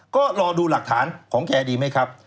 ก็รอดูหลักฐานของแกดีไหมครับ